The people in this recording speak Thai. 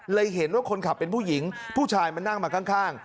เห็นว่าคนขับเป็นผู้หญิงผู้ชายมานั่งมาข้าง